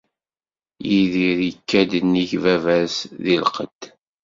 Yidir ikka-d nnig baba-s di lqedd.